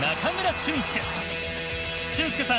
俊輔さん